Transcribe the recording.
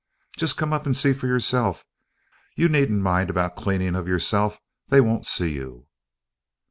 Just come up and see for yourself. You needn't mind about cleanin' of yourself they won't see you."